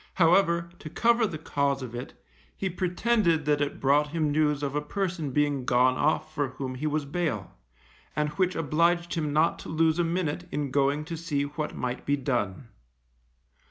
However, to cover the cause of it, he pretended that it brought him news of a person being gone off for whom he was bail, and which obliged him not to lose a minute in going to see what might be done.